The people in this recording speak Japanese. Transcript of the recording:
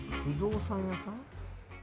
不動産屋さん？